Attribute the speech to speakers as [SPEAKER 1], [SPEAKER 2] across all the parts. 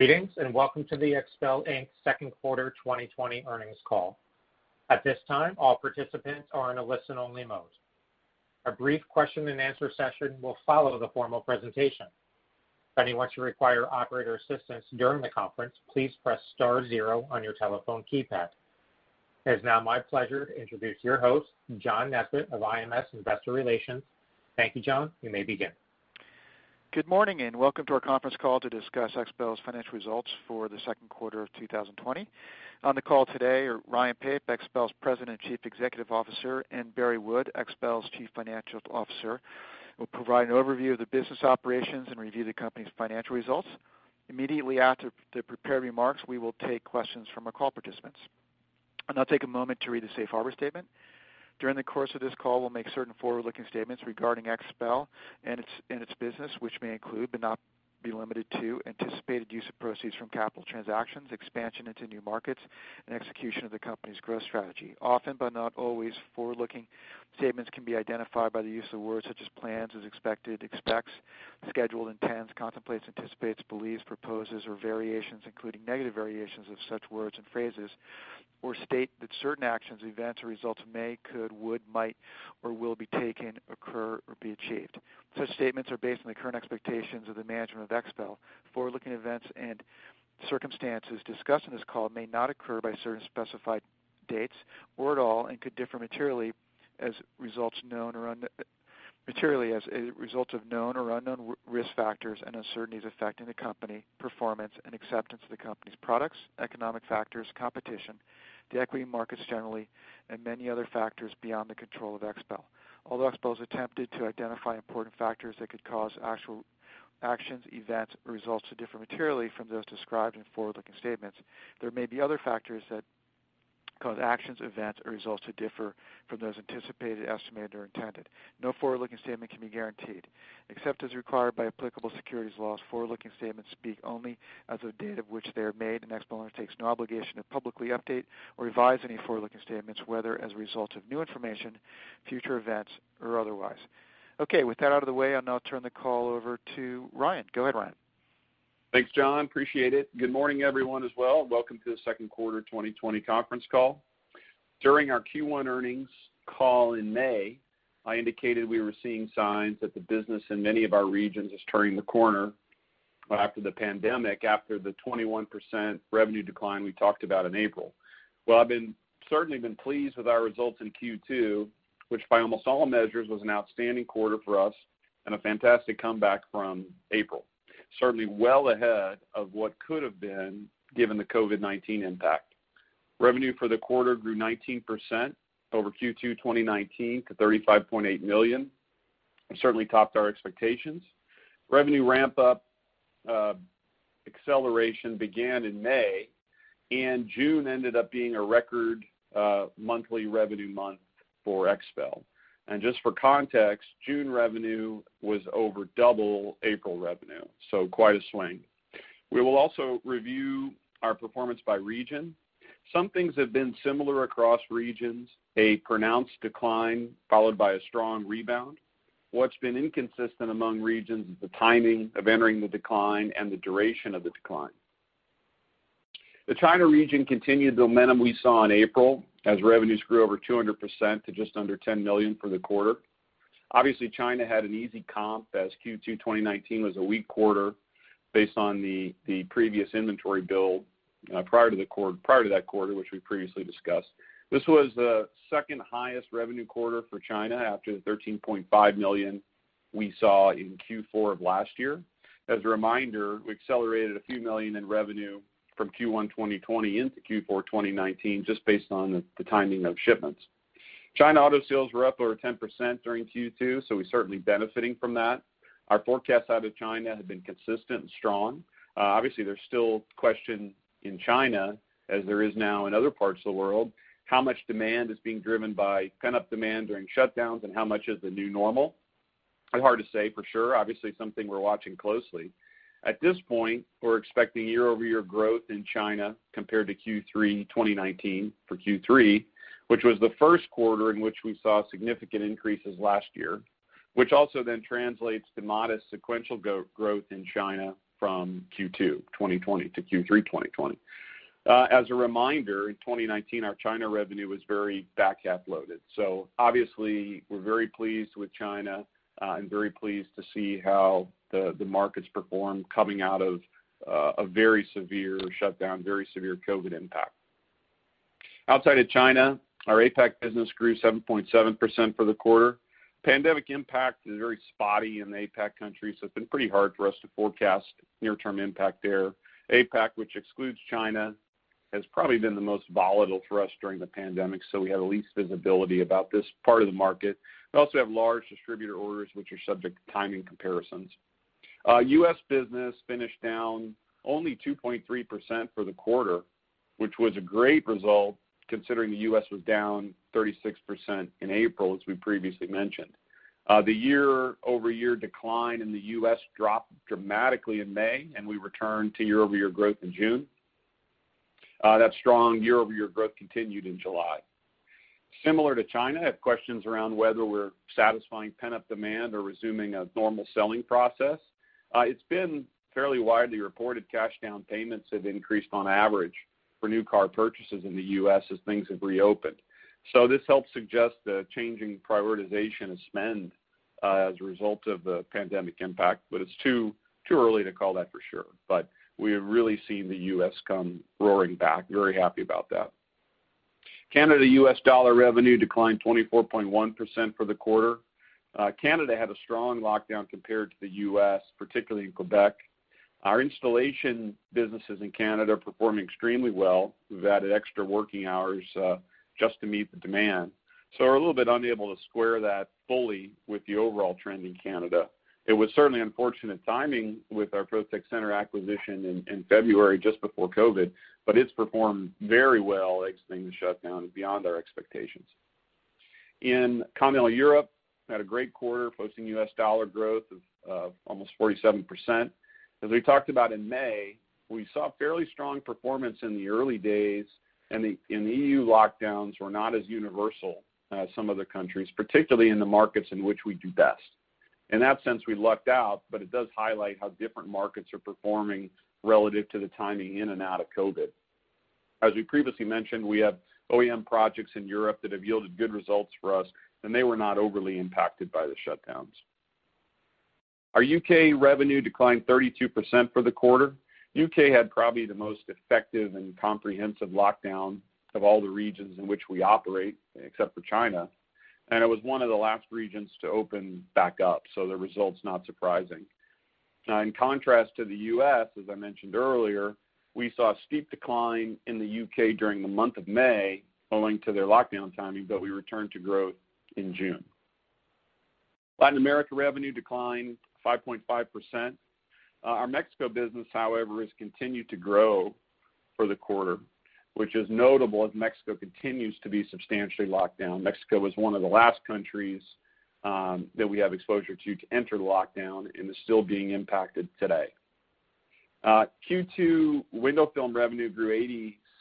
[SPEAKER 1] Greetings, and welcome to the XPEL, Inc. Second Quarter 2020 Earnings Call. At this time, all participants are in a listen-only mode. A brief question-and-answer session will follow the formal presentation. If anyone should require operator assistance during the conference, please press star zero on your telephone keypad. It is now my pleasure to introduce your host, John Nesbett of IMS Investor Relations. Thank you, John. You may begin.
[SPEAKER 2] Good morning. Welcome to our conference call to discuss XPEL's financial results for the second quarter of 2020. On the call today are Ryan Pape, XPEL's President and Chief Executive Officer, and Barry Wood, XPEL's Chief Financial Officer, will provide an overview of the business operations and review the company's financial results. Immediately after the prepared remarks, we will take questions from our call participants. I'll now take a moment to read the safe harbor statement. During the course of this call, we'll make certain forward-looking statements regarding XPEL and its business, which may include, but not be limited to anticipated use of proceeds from capital transactions, expansion into new markets, and execution of the company's growth strategy. Often, but not always, forward-looking statements can be identified by the use of words such as plans, is expected, expects, schedule, intends, contemplates, anticipates, believes, proposes, or variations, including negative variations of such words and phrases, or state that certain actions, events, or results may, could, would, might, or will be taken, occur, or be achieved. Such statements are based on the current expectations of the management of XPEL. Forward-looking events and circumstances discussed on this call may not occur by certain specified dates or at all and could differ materially as a result of known or unknown risk factors and uncertainties affecting the company, performance and acceptance of the company's products, economic factors, competition, the equity markets generally, and many other factors beyond the control of XPEL. Although XPEL has attempted to identify important factors that could cause actual actions, events or results to differ materially from those described in forward-looking statements, there may be other factors that cause actions, events or results to differ from those anticipated, estimated or intended. No forward-looking statement can be guaranteed. Except as required by applicable securities laws, forward-looking statements speak only as of the date of which they are made, and XPEL undertakes no obligation to publicly update or revise any forward-looking statements, whether as a result of new information, future events or otherwise. Okay. With that out of the way, I'll now turn the call over to Ryan. Go ahead, Ryan.
[SPEAKER 3] Thanks, John. Appreciate it. Good morning, everyone as well. Welcome to the Second Quarter 2020 Conference Call. During our Q1 earnings call in May, I indicated we were seeing signs that the business in many of our regions is turning the corner after the pandemic, after the 21% revenue decline we talked about in April. Well, I've certainly been pleased with our results in Q2, which by almost all measures was an outstanding quarter for us and a fantastic comeback from April. Certainly well ahead of what could have been given the COVID-19 impact. Revenue for the quarter grew 19% over Q2 2019 to $35.8 million and certainly topped our expectations. Revenue ramp up, acceleration began in May, and June ended up being a record monthly revenue month for XPEL. Just for context, June revenue was over double April revenue, quite a swing. We will also review our performance by region. Some things have been similar across regions, a pronounced decline followed by a strong rebound. What's been inconsistent among regions is the timing of entering the decline and the duration of the decline. The China region continued the momentum we saw in April as revenues grew over 200% to just under $10 million for the quarter. Obviously, China had an easy comp as Q2 2019 was a weak quarter based on the previous inventory build prior to that quarter, which we previously discussed. This was the second highest revenue quarter for China after the $13.5 million we saw in Q4 of last year. As a reminder, we accelerated a few million in revenue from Q1 2020 into Q4 2019 just based on the timing of shipments. China auto sales were up over 10% during Q2, we're certainly benefiting from that. Our forecast out of China had been consistent and strong. Obviously there's still question in China as there is now in other parts of the world how much demand is being driven by pent-up demand during shutdowns and how much is the new normal. Hard to say for sure. Obviously something we're watching closely. At this point, we're expecting year-over-year growth in China compared to Q3 2019 for Q3, which was the first quarter in which we saw significant increases last year, which also then translates to modest sequential growth in China from Q2 2020 to Q3 2020. As a reminder, in 2019 our China revenue was very back half loaded. Obviously we're very pleased with China, and very pleased to see how the markets perform coming out of a very severe shutdown, very severe COVID-19 impact. Outside of China, our APAC business grew 7.7% for the quarter. Pandemic impact is very spotty in the APAC countries, so it's been pretty hard for us to forecast near-term impact there. APAC, which excludes China, has probably been the most volatile for us during the pandemic, so we have the least visibility about this part of the market. We also have large distributor orders which are subject to timing comparisons. U.S. business finished down only 2.3% for the quarter, which was a great result considering the U.S. was down 36% in April as we previously mentioned. The year-over-year decline in the U.S. dropped dramatically in May, and we returned to year-over-year growth in June. That strong year-over-year growth continued in July. Similar to China, we have questions around whether we're satisfying pent-up demand or resuming a normal selling process. It's been fairly widely reported cash down payments have increased on average for new car purchases in the U.S. as things have reopened. This helps suggest a changing prioritization of spend as a result of the pandemic impact, but it's too early to call that for sure. We have really seen the U.S. come roaring back. Very happy about that. Canada USD revenue declined 24.1% for the quarter. Canada had a strong lockdown compared to the U.S., particularly in Quebec. Our installation businesses in Canada perform extremely well. We've added extra working hours just to meet the demand. We're a little bit unable to square that fully with the overall trend in Canada. It was certainly unfortunate timing with our Protex Centre acquisition in February just before COVID-19, but it's performed very well as things shut down beyond our expectations. In Continental Europe, had a great quarter posting U.S. dollar growth of almost 47%. As we talked about in May, we saw fairly strong performance in the early days, and EU lockdowns were not as universal as some other countries, particularly in the markets in which we do best. In that sense, we lucked out, but it does highlight how different markets are performing relative to the timing in and out of COVID-19. As we previously mentioned, we have OEM projects in Europe that have yielded good results for us, and they were not overly impacted by the shutdowns. Our U.K. revenue declined 32% for the quarter. U.K. had probably the most effective and comprehensive lockdown of all the regions in which we operate, except for China, and it was one of the last regions to open back up, so the result's not surprising. In contrast to the U.S., as I mentioned earlier, we saw a steep decline in the U.K. during the month of May owing to their lockdown timing, but we returned to growth in June. Latin America revenue declined 5.5%. Our Mexico business, however, has continued to grow for the quarter, which is notable as Mexico continues to be substantially locked down. Mexico was one of the last countries that we have exposure to enter the lockdown and is still being impacted today. Q2 Window Film revenue grew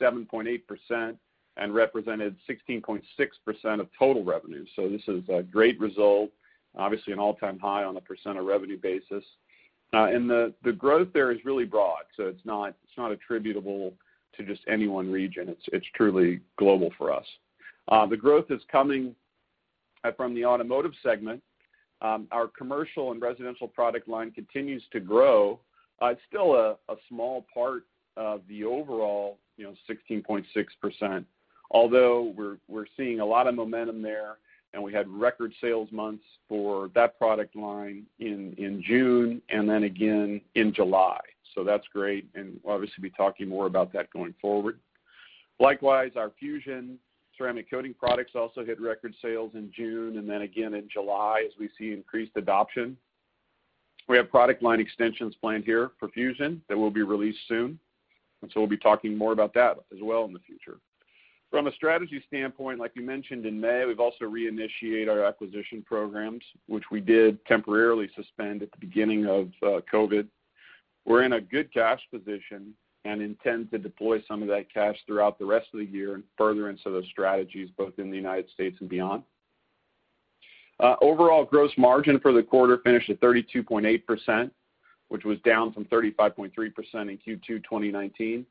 [SPEAKER 3] 87.8% and represented 16.6% of total revenue. This is a great result, obviously an all-time high on a percent of revenue basis. The growth there is really broad, it's not attributable to just any one region. It's truly global for us. The growth is coming from the automotive segment. Our commercial and residential product line continues to grow. It's still a small part of the overall, you know, 16.6%, although we're seeing a lot of momentum there, and we had record sales months for that product line in June and then again in July. That's great, and we'll obviously be talking more about that going forward. Likewise, our Fusion ceramic coating products also hit record sales in June and then again in July as we see increased adoption. We have product line extensions planned here for Fusion that will be released soon, we'll be talking more about that as well in the future. From a strategy standpoint, like we mentioned in May, we've also reinitiated our acquisition programs, which we did temporarily suspend at the beginning of COVID-19. We're in a good cash position and intend to deploy some of that cash throughout the rest of the year and furtherance of those strategies both in the United States and beyond. Overall gross margin for the quarter finished at 32.8%, which was down from 35.3% in Q2 2019.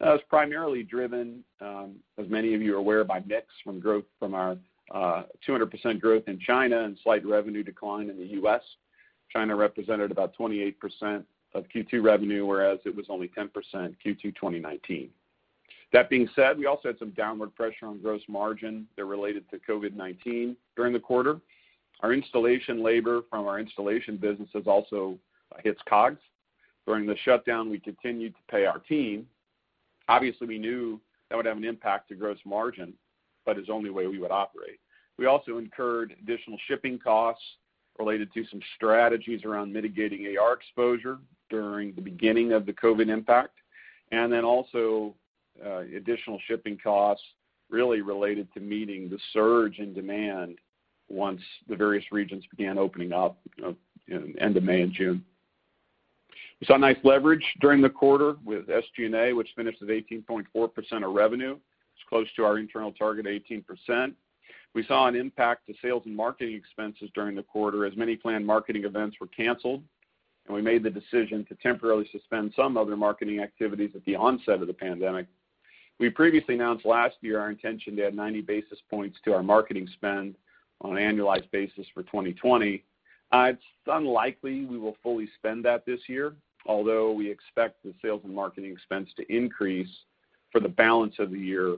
[SPEAKER 3] That was primarily driven, as many of you are aware, by mix from growth from our 200% growth in China and slight revenue decline in the U.S. China represented about 28% of Q2 revenue, whereas it was only 10% Q2 2019. That being said, we also had some downward pressure on gross margin that related to COVID-19 during the quarter. Our installation labor from our installation businesses also hits COGS. During the shutdown, we continued to pay our team. Obviously, we knew that would have an impact to gross margin, but it's the only way we would operate. We also incurred additional shipping costs related to some strategies around mitigating AR exposure during the beginning of the COVID impact, and then also, additional shipping costs really related to meeting the surge in demand once the various regions began opening up, you know, in end of May and June. We saw nice leverage during the quarter with SG&A, which finished at 18.4% of revenue. It's close to our internal target of 18%. We saw an impact to sales and marketing expenses during the quarter as many planned marketing events were canceled, and we made the decision to temporarily suspend some other marketing activities at the onset of the pandemic. We previously announced last year our intention to add 90 basis points to our marketing spend on an annualized basis for 2020. It's unlikely we will fully spend that this year, although we expect the sales and marketing expense to increase for the balance of the year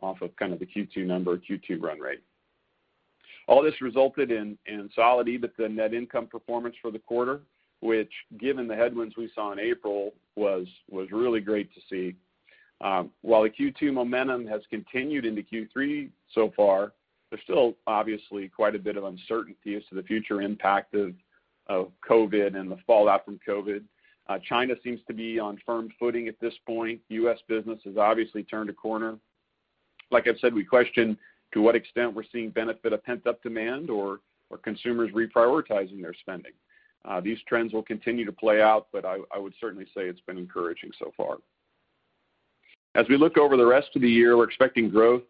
[SPEAKER 3] off of kind of the Q2 number, Q2 run rate. All this resulted in solid EBITDA net income performance for the quarter, which given the headwinds we saw in April was really great to see. While the Q2 momentum has continued into Q3 so far, there's still obviously quite a bit of uncertainty as to the future impact of COVID and the fallout from COVID. China seems to be on firm footing at this point. U.S. business has obviously turned a corner. Like I've said, we question to what extent we're seeing benefit of pent-up demand or consumers reprioritizing their spending. These trends will continue to play out, but I would certainly say it's been encouraging so far. As we look over the rest of the year, we're expecting growth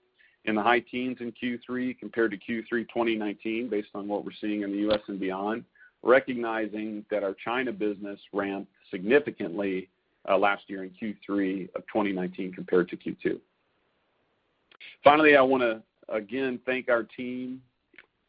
[SPEAKER 3] in the high teens in Q3 compared to Q3 2019 based on what we're seeing in the U.S. and beyond, recognizing that our China business ramped significantly last year in Q3 of 2019 compared to Q2. Finally, I wanna again thank our team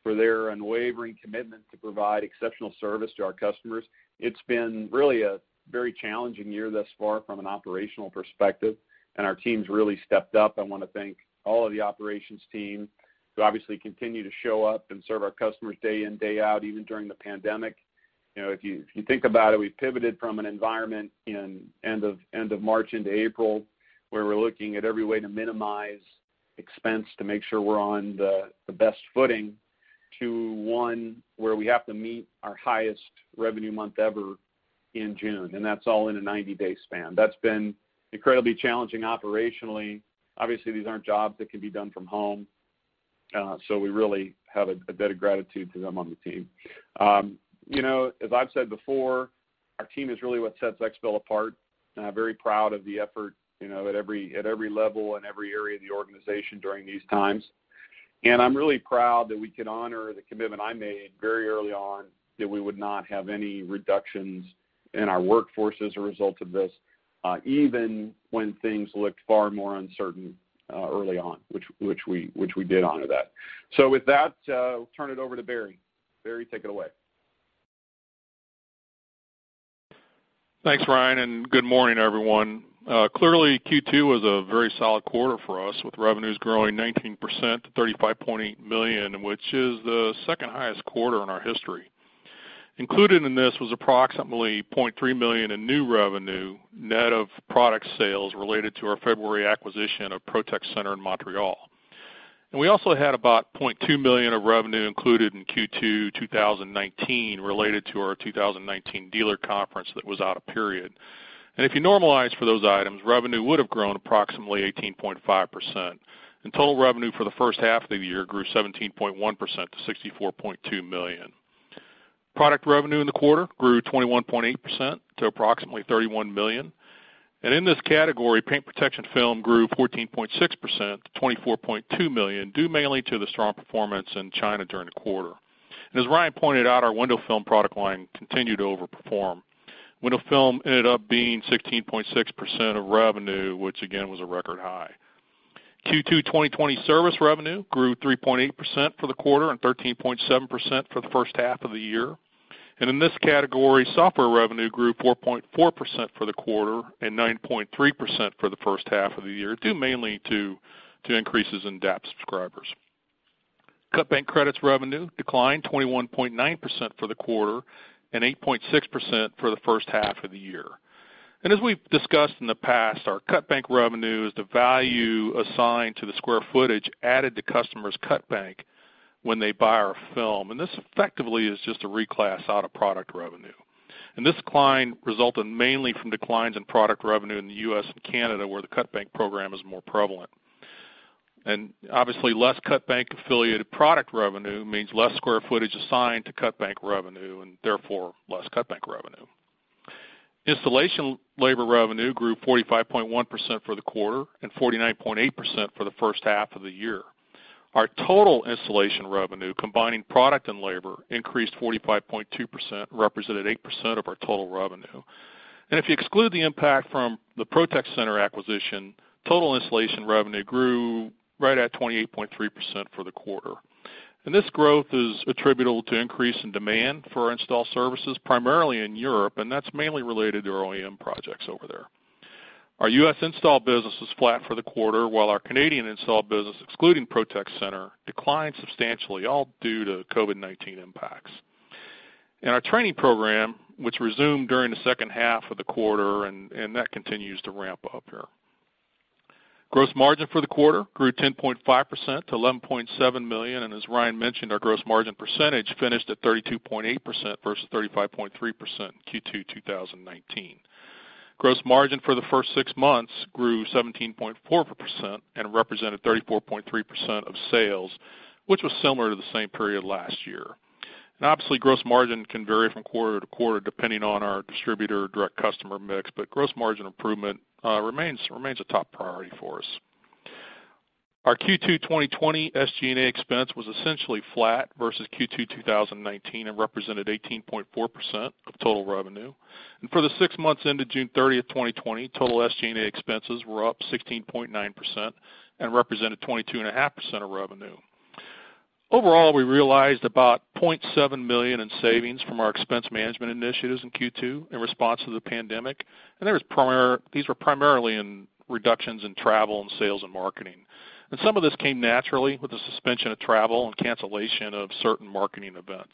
[SPEAKER 3] for their unwavering commitment to provide exceptional service to our customers. It's been really a very challenging year thus far from an operational perspective, and our team's really stepped up. I wanna thank all of the operations team who obviously continue to show up and serve our customers day in, day out, even during the pandemic. You know, if you think about it, we pivoted from an environment in end of March into April, where we're looking at every way to minimize expense to make sure we're on the best footing to one where we have to meet our highest revenue month ever in June, and that's all in a 90-day span. That's been incredibly challenging operationally. Obviously, these aren't jobs that can be done from home, we really have a debt of gratitude to them on the team. You know, as I've said before, our team is really what sets XPEL apart. Very proud of the effort, you know, at every level and every area of the organization during these times. I'm really proud that we can honor the commitment I made very early on that we would not have any reductions in our workforce as a result of this, even when things looked far more uncertain, early on, which we did honor that. With that, I'll turn it over to Barry. Barry, take it away.
[SPEAKER 4] Thanks, Ryan. Good morning, everyone. Clearly, Q2 was a very solid quarter for us, with revenues growing 19% to $35.8 million, which is the second highest quarter in our history. Included in this was approximately $0.3 million in new revenue, net of product sales related to our February acquisition of Protex Centre in Montreal. We also had about $0.2 million of revenue included in Q2 2019 related to our 2019 dealer conference that was out of period. If you normalize for those items, revenue would have grown approximately 18.5%. Total revenue for the first half of the year grew 17.1% to $64.2 million. Product revenue in the quarter grew 21.8% to approximately $31 million. In this category, Paint Protection Film grew 14.6% to $24.2 million, due mainly to the strong performance in China during the quarter. As Ryan pointed out, our Window Film product line continued to overperform. Window Film ended up being 16.6% of revenue, which again was a record high. Q2 2020 service revenue grew 3.8% for the quarter and 13.7% for the first half of the year. In this category, software revenue grew 4.4% for the quarter and 9.3% for the first half of the year, due mainly to increases in DAP subscribers. Cutbank credits revenue declined 21.9% for the quarter and 8.6% for the first half of the year. As we've discussed in the past, our cutbank revenue is the value assigned to the square footage added to customers' cutbank when they buy our film. This effectively is just a reclass out of product revenue. This decline resulted mainly from declines in product revenue in the U.S. and Canada, where the cutbank program is more prevalent. Obviously, less cutbank affiliated product revenue means less square footage assigned to cutbank revenue and therefore less cut bank revenue. Installation labor revenue grew 45.1% for the quarter and 49.8% for the first half of the year. Our total installation revenue, combining product and labor, increased 45.2%, represented 8% of our total revenue. If you exclude the impact from the Protex Centre acquisition, total installation revenue grew right at 28.3% for the quarter. This growth is attributable to increase in demand for install services, primarily in Europe, and that's mainly related to our OEM projects over there. Our U.S. install business was flat for the quarter, while our Canadian install business, excluding Protex Centre, declined substantially, all due to COVID-19 impacts. Our training program, which resumed during the second half of the quarter, and that continues to ramp up here. Gross margin for the quarter grew 10.5% to $11.7 million, and as Ryan mentioned, our gross margin percentage finished at 32.8% versus 35.3% in Q2 2019. Gross margin for the first six months grew 17.4% and represented 34.3% of sales, which was similar to the same period last year. Obviously, gross margin can vary from quarter to quarter depending on our distributor direct customer mix, but gross margin improvement remains a top priority for us. Our Q2 2020 SG&A expense was essentially flat versus Q2 2019 and represented 18.4% of total revenue. For the six months ended June 30, 2020, total SG&A expenses were up 16.9% and represented 22.5% of revenue. Overall, we realized about $0.7 million in savings from our expense management initiatives in Q2 in response to the pandemic. These were primarily in reductions in travel and sales and marketing. Some of this came naturally with the suspension of travel and cancellation of certain marketing events.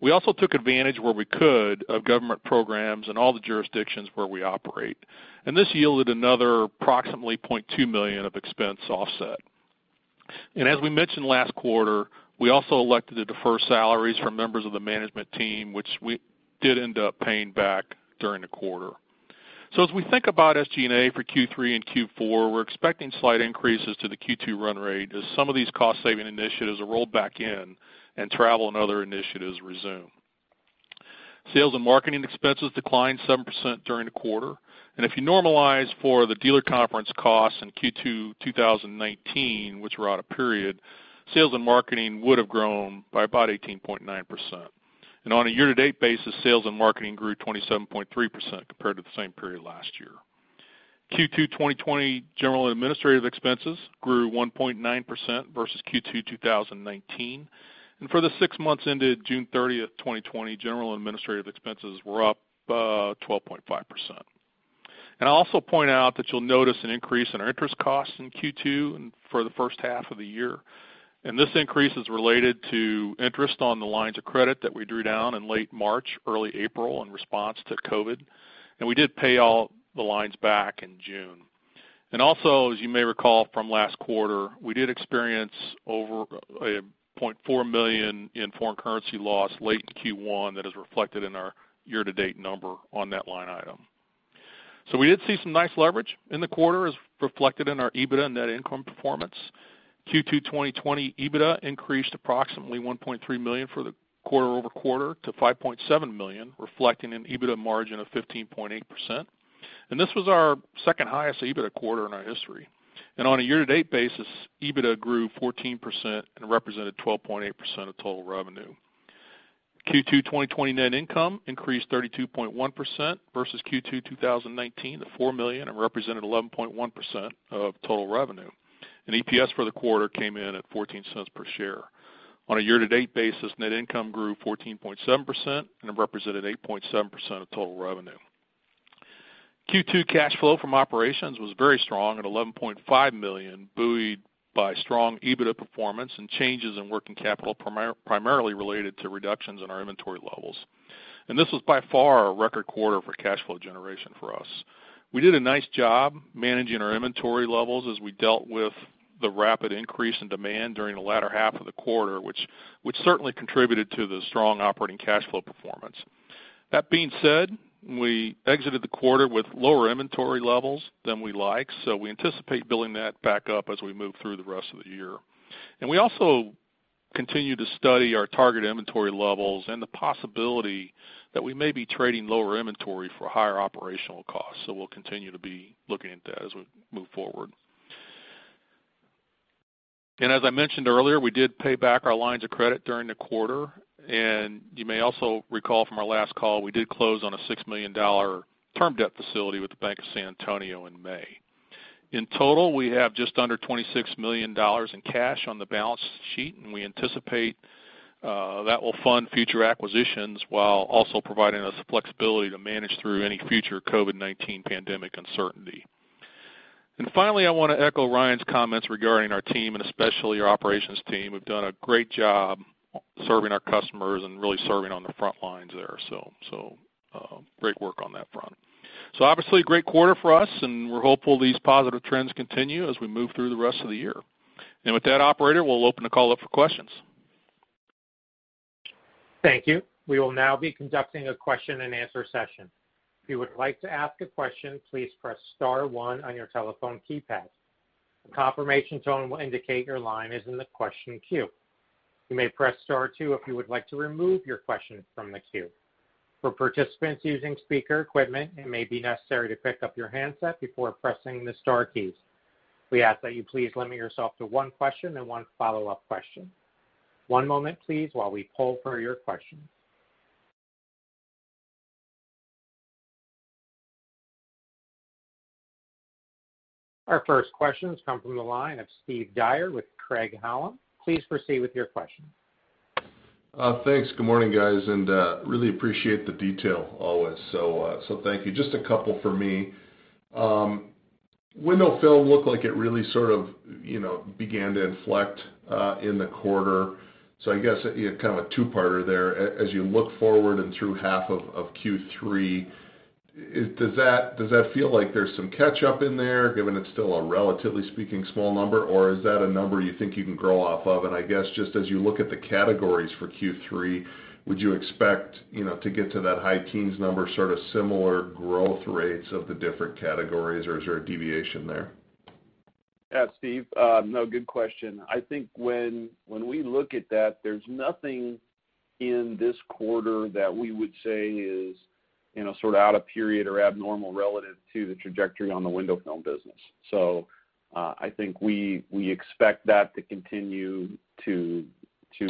[SPEAKER 4] We also took advantage where we could of government programs in all the jurisdictions where we operate. This yielded another approximately $0.2 million of expense offset. As we mentioned last quarter, we also elected to defer salaries from members of the management team, which we did end up paying back during the quarter. As we think about SG&A for Q3 and Q4, we're expecting slight increases to the Q2 run rate as some of these cost-saving initiatives are rolled back in and travel and other initiatives resume. Sales and marketing expenses declined 7% during the quarter. If you normalize for the dealer conference costs in Q2 2019, which were out of period, sales and marketing would have grown by about 18.9%. On a year-to-date basis, sales and marketing grew 27.3% compared to the same period last year. Q2 2020 general and administrative expenses grew 1.9% versus Q2 2019. For the six months ended June 30th, 2020, general and administrative expenses were up 12.5%. I'll also point out that you'll notice an increase in our interest costs in Q2 and for the first half of the year. This increase is related to interest on the lines of credit that we drew down in late March, early April in response to COVID. We did pay all the lines back in June. Also, as you may recall from last quarter, we did experience over a $0.4 million in foreign currency loss late in Q1 that is reflected in our year-to-date number on that line item. We did see some nice leverage in the quarter as reflected in our EBITDA and net income performance. Q2 2020 EBITDA increased approximately $1.3 million for the quarter-over-quarter to $5.7 million, reflecting an EBITDA margin of 15.8%. This was our second highest EBITDA quarter in our history. On a year-to-date basis, EBITDA grew 14% and represented 12.8% of total revenue. Q2 2020 net income increased 32.1% versus Q2 2019 to $4 million and represented 11.1% of total revenue. EPS for the quarter came in at $0.14 per share. On a year-to-date basis, net income grew 14.7% and represented 8.7% of total revenue. Q2 cash flow from operations was very strong at $11.5 million, buoyed by strong EBITDA performance and changes in working capital primarily related to reductions in our inventory levels. This was by far a record quarter for cash flow generation for us. We did a nice job managing our inventory levels as we dealt with the rapid increase in demand during the latter half of the quarter, which certainly contributed to the strong operating cash flow performance. That being said, we exited the quarter with lower inventory levels than we like, we anticipate building that back up as we move through the rest of the year. We also continue to study our target inventory levels and the possibility that we may be trading lower inventory for higher operational costs. We'll continue to be looking at that as we move forward. As I mentioned earlier, we did pay back our lines of credit during the quarter. You may also recall from our last call, we did close on a $6 million term debt facility with The Bank of San Antonio in May. In total, we have just under $26 million in cash on the balance sheet, and we anticipate that will fund future acquisitions while also providing us flexibility to manage through any future COVID-19 pandemic uncertainty. Finally, I wanna echo Ryan's comments regarding our team and especially our operations team, who've done a great job serving our customers and really serving on the front lines there. Great work on that front. Obviously a great quarter for us, and we're hopeful these positive trends continue as we move through the rest of the year. With that, operator, we'll open the call up for questions.
[SPEAKER 1] Thank you. We will now be conducting a question-and-answer session. If you would like to ask a question, please press star one on your telephone keypad. A confirmation tone will indicate your line is in the question queue. You may press star two if you would like to remove your question from the queue. For participants using speaker equipment, it may be necessary to pick up your handset before pressing the star keys. We ask that you please limit yourself to one question and one follow-up question. One moment, please, while we poll for your questions. Our first question's come from the line of Steve Dyer with Craig-Hallum. Please proceed with your question.
[SPEAKER 5] Thanks. Good morning, guys, and really appreciate the detail always. Thank you. Just a couple for me. Window Film looked like it really sort of, you know, began to inflect in the quarter. I guess, kind of a two-parter there. As you look forward and through half of Q3, does that feel like there's some catch-up in there, given it's still a relatively speaking small number, or is that a number you think you can grow off of? I guess just as you look at the categories for Q3, would you expect, you know, to get to that high teens number sort of similar growth rates of the different categories, or is there a deviation there?
[SPEAKER 3] Steve, good question. I think when we look at that, there's nothing in this quarter that we would say is, you know, sort of out of period or abnormal relative to the trajectory on the Window Film business. I think we expect that to continue to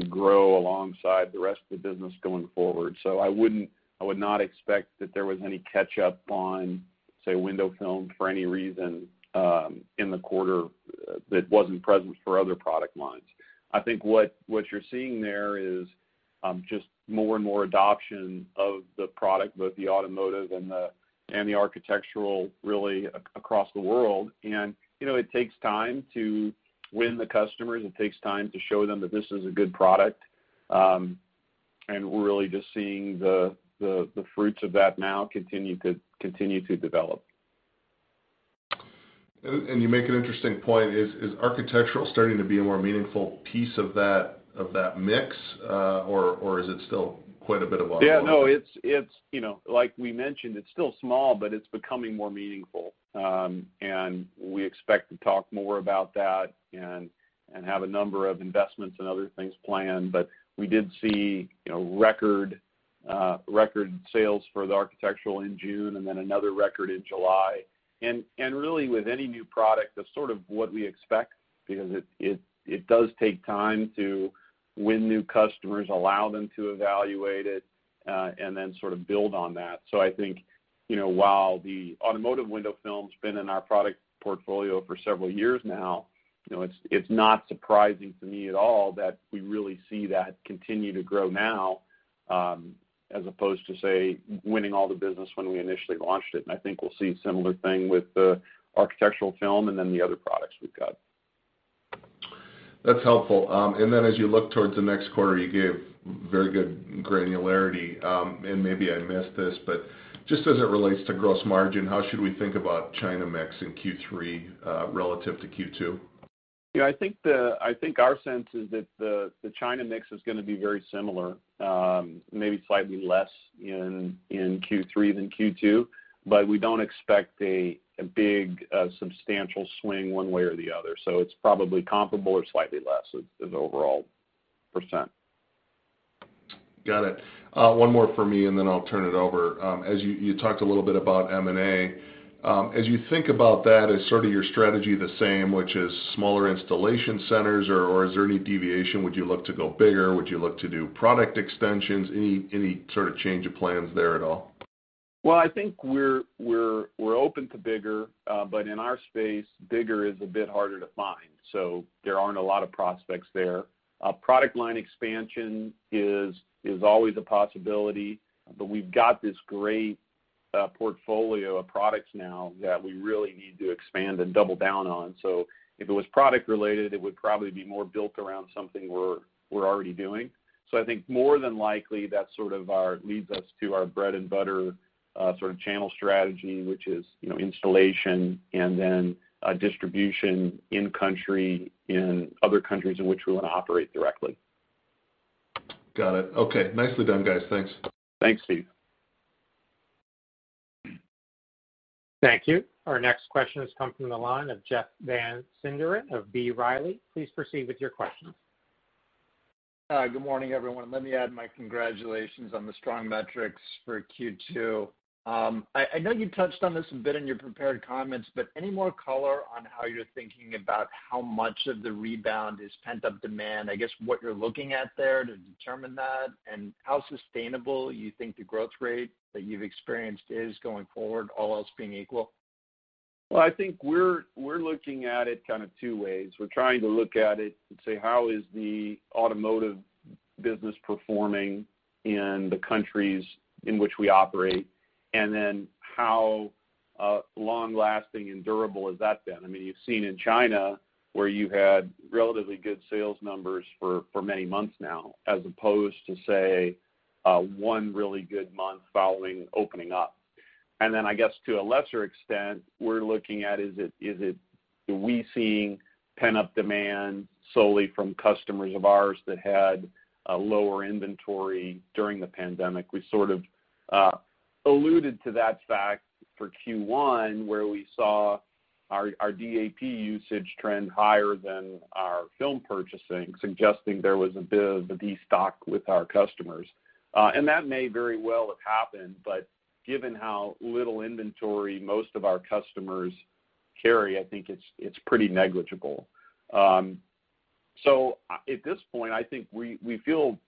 [SPEAKER 3] grow alongside the rest of the business going forward. I would not expect that there was any catch-up on, say, Window Film for any reason in the quarter that wasn't present for other product lines. I think what you're seeing there is just more and more adoption of the product, both the automotive and the architectural really across the world. You know, it takes time to win the customers. It takes time to show them that this is a good product. We're really just seeing the fruits of that now continue to develop.
[SPEAKER 5] You make an interesting point. Is architectural starting to be a more meaningful piece of that mix, or is it still quite a bit of automotive?
[SPEAKER 3] Yeah, no, it's, you know, like we mentioned, it's still small, but it's becoming more meaningful. We expect to talk more about that and have a number of investments and other things planned. We did see, you know, record sales for the architectural in June and then another record in July. Really with any new product, that's sort of what we expect because it does take time to win new customers, allow them to evaluate it, and then sort of build on that. I think, you know, while the automotive Window Film's been in our product portfolio for several years now, you know, it's not surprising to me at all that we really see that continue to grow now as opposed to, say, winning all the business when we initially launched it. I think we'll see a similar thing with the architectural film and then the other products we've got.
[SPEAKER 5] That's helpful. As you look towards the next quarter, you gave very good granularity. Maybe I missed this, but just as it relates to gross margin, how should we think about China mix in Q3 relative to Q2?
[SPEAKER 3] Yeah, I think our sense is that the China mix is gonna be very similar, maybe slightly less in Q3 than Q2, but we don't expect a big substantial swing one way or the other. It's probably comparable or slightly less as overall percent.
[SPEAKER 5] Got it. One more for me, and then I'll turn it over. As you talked a little bit about M&A. As you think about that, is sort of your strategy the same, which is smaller installation centers, or is there any deviation? Would you look to go bigger? Would you look to do product extensions? Any sort of change of plans there at all?
[SPEAKER 3] Well, I think we're open to bigger, but in our space, bigger is a bit harder to find. There aren't a lot of prospects there. Product line expansion is always a possibility, but we've got this great portfolio of products now that we really need to expand and double down on. If it was product related, it would probably be more built around something we're already doing. I think more than likely, that's sort of leads us to our bread and butter sort of channel strategy, which is, you know, installation and then distribution in country, in other countries in which we wanna operate directly.
[SPEAKER 5] Got it. Okay. Nicely done, guys. Thanks.
[SPEAKER 3] Thanks, Steve.
[SPEAKER 1] Thank you. Our next question is coming from the line of Jeff Van Sinderen of B. Riley. Please proceed with your question.
[SPEAKER 6] Hi. Good morning, everyone. Let me add my congratulations on the strong metrics for Q2. I know you touched on this a bit in your prepared comments, but any more color on how you're thinking about how much of the rebound is pent-up demand? I guess what you're looking at there to determine that, and how sustainable you think the growth rate that you've experienced is going forward, all else being equal?
[SPEAKER 3] Well, I think we're looking at it kind of two ways. We're trying to look at it and say, how is the automotive business performing in the countries in which we operate? Then how long-lasting and durable has that been? I mean, you've seen in China where you had relatively good sales numbers for many months now, as opposed to, say, one really good month following opening up. Then I guess to a lesser extent, we're looking at are we seeing pent-up demand solely from customers of ours that had a lower inventory during the pandemic? We sort of alluded to that fact for Q1, where we saw our DAP usage trend higher than our film purchasing, suggesting there was a bit of a destock with our customers. That may very well have happened, but given how little inventory most of our customers carry, I think it's pretty negligible. At this point, I think we feel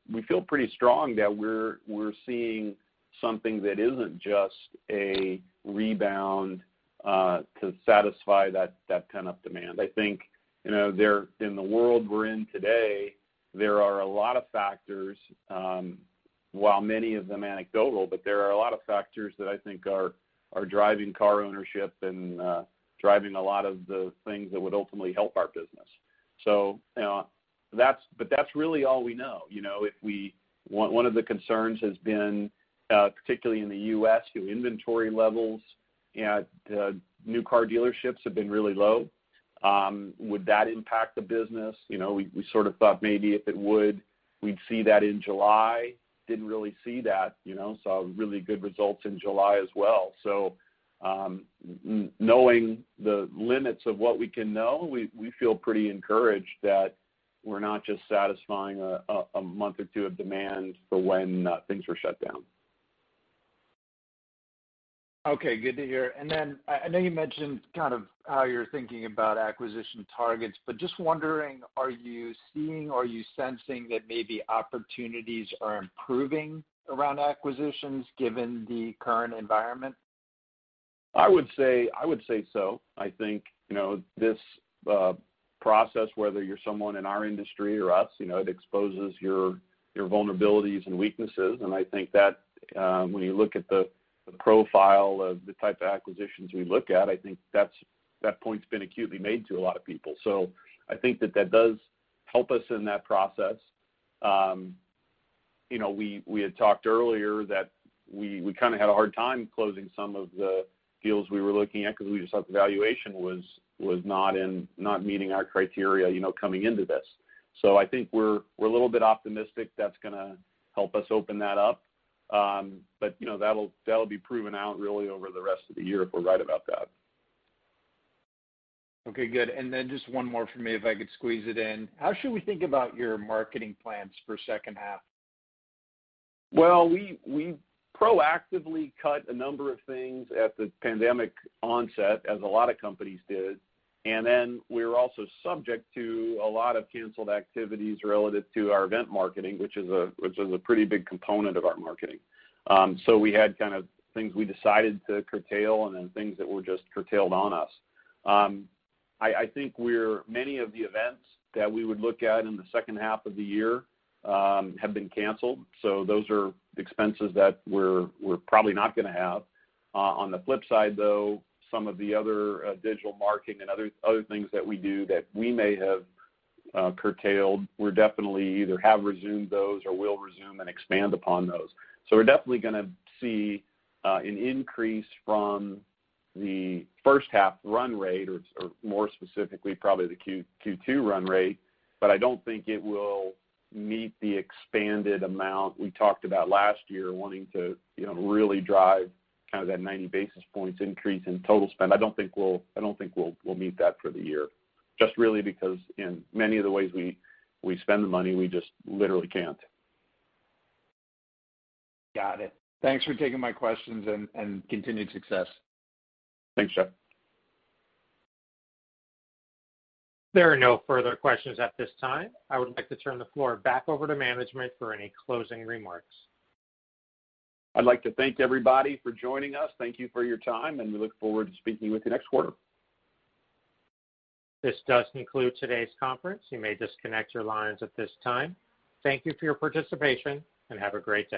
[SPEAKER 3] pretty strong that we're seeing something that isn't just a rebound to satisfy that pent-up demand. I think, you know, in the world we're in today, there are a lot of factors, while many of them anecdotal, but there are a lot of factors that I think are driving car ownership and driving a lot of the things that would ultimately help our business. You know, that's really all we know, you know? One of the concerns has been, particularly in the U.S., you know, inventory levels at new car dealerships have been really low. Would that impact the business? You know, we sort of thought maybe if it would, we'd see that in July. Didn't really see that, you know. Saw really good results in July as well. Knowing the limits of what we can know, we feel pretty encouraged that we're not just satisfying a month or two of demand for when things were shut down.
[SPEAKER 6] Okay. Good to hear. I know you mentioned kind of how you're thinking about acquisition targets, but just wondering, are you seeing, are you sensing that maybe opportunities are improving around acquisitions given the current environment?
[SPEAKER 3] I would say so. I think, you know, this process, whether you're someone in our industry or us, you know, it exposes your vulnerabilities and weaknesses. I think that when you look at the profile of the type of acquisitions we look at, I think that point's been acutely made to a lot of people. I think that that does help us in that process. You know, we had talked earlier that we kind of had a hard time closing some of the deals we were looking at because we just thought the valuation was not meeting our criteria, you know, coming into this. I think we're a little bit optimistic that's gonna help us open that up, you know, that'll be proven out really over the rest of the year if we're right about that.
[SPEAKER 6] Okay, good. Then just one more from me if I could squeeze it in. How should we think about your marketing plans for second half?
[SPEAKER 3] Well, we proactively cut a number of things at the pandemic onset, as a lot of companies did. We're also subject to a lot of canceled activities relative to our event marketing, which is a pretty big component of our marketing. We had kind of things we decided to curtail and then things that were just curtailed on us. I think we're Many of the events that we would look at in the second half of the year have been canceled, so those are expenses that we're probably not gonna have. On the flip side, though, some of the other digital marketing and other things that we do that we may have curtailed, we're definitely either have resumed those or will resume and expand upon those. We're definitely gonna see an increase from the first half run rate or more specifically, probably the Q2 run rate, but I don't think it will meet the expanded amount we talked about last year wanting to, you know, really drive kind of that 90 basis points increase in total spend. I don't think we'll meet that for the year, just really because in many of the ways we spend the money, we just literally can't.
[SPEAKER 6] Got it. Thanks for taking my questions and continued success.
[SPEAKER 3] Thanks, Jeff.
[SPEAKER 1] There are no further questions at this time. I would like to turn the floor back over to management for any closing remarks.
[SPEAKER 3] I'd like to thank everybody for joining us. Thank you for your time. We look forward to speaking with you next quarter.
[SPEAKER 1] This does conclude today's conference. You may disconnect your lines at this time. Thank you for your participation, and have a great day.